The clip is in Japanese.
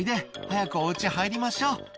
「早くお家入りましょう」